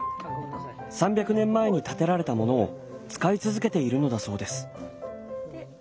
３００年前に建てられたものを使い続けているのだそうです。